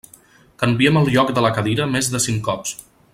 Canviem el lloc de la cadira més de cinc cops.